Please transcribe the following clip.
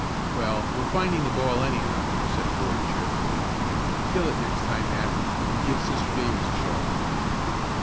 "Well, we're finding the ball, anyhow," said Ward cheerfully. "Kill it next time, Nat, and give Sister Davis a show."